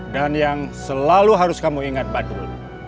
dan yang selalu harus kamu ingat badul